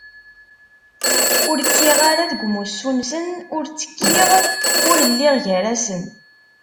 Ur kkiɣ ara deg umussu-nsen, ur ttekkiɣ! Ur lliɣ gar-asen!